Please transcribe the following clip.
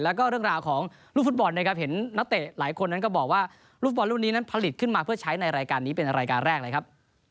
แล้วก็เรื่องราวของลูกฟุตบอลนะครับเห็นนักเตะหลายคนนั้นก็บอกว่าลูกบอลลูกนี้นั้นผลิตขึ้นมาเพื่อใช้ในรายการนี้เป็นรายการแรกเลยครับ